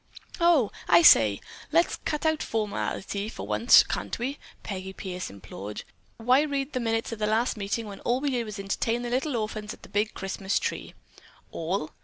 "Oh, I say, let's cut out formality, for once, can't we?" Peggy Pierce implored. "Why read the minutes of the last meeting when all we did was entertain the little orphans with a big Christmas tree?" "All?"